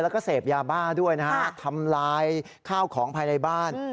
แล้วก็เสพยาบ้าด้วยนะฮะทำลายข้าวของภายในบ้าน